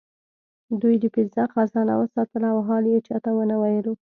دوی د پیترا خزانه وساتله او حال یې چا ته ونه ویلو.